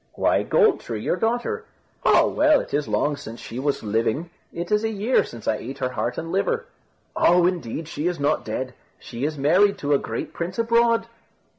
"Why, Gold tree, your daughter." "Oh! well, it is long since she was living. It is a year since I ate her heart and liver." "Oh! indeed she is not dead. She is married to a great prince abroad."